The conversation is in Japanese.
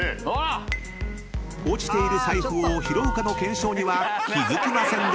［落ちている財布を拾うかの検証には気付きませんでした］